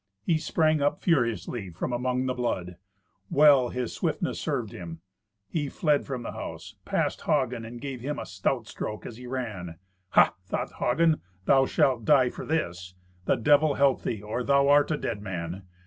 He sprang up furiously from among the blood. Well his swiftness served him. He fled from the house, past Hagen, and gave him a stout stroke as he ran. "Ha!" thought Hagen, "Thou shalt die for this. The Devil help thee, or thou art a dead man."